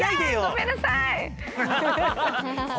いやごめんなさい！